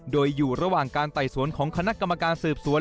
โดยอยู่ระหว่างการไต่สวนของคณะกรรมการสืบสวน